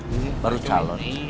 ini baru calon